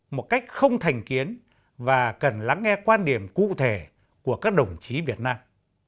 một cách không thành kiến và cần lắng nghe quan điểm cụ thể của các đồng chí việt nam